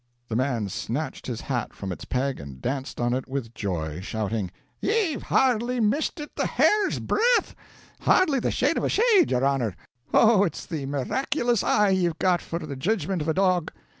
The man snatched his hat from its peg and danced on it with joy, shouting: "Ye've hardly missed it the hair's breadth, hardly the shade of a shade, your honor! Oh, it's the miraculous eye ye've got, for the judgmint of a dog!"